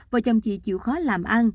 vợ chồng chị chịu khó làm ăn